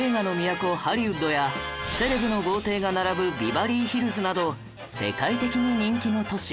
ハリウッドやセレブの豪邸が並ぶビバリーヒルズなど世界的に人気の都市